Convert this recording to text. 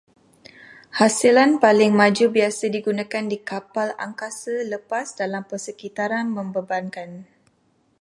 Hasilan paling maju biasa digunakan di kapal angkasa lepas dalam persekitaran membebankan